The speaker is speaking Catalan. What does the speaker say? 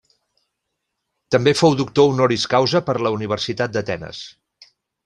També fou doctor honoris causa per la Universitat d'Atenes.